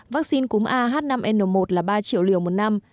vaccine cúm ah năm n một là ba triệu liều một năm